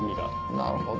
なるほど。